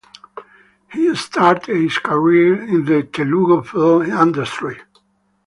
He started his career in the Telugu film industry.